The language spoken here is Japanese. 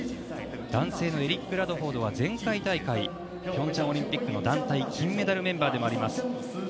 男性のエリック・ラドフォードは前回大会、平昌オリンピックの団体金メダルメンバーでもあります。